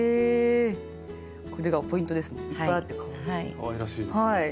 かわいらしいですよね。